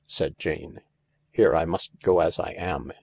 " said Jane. * Here, I must go as I am.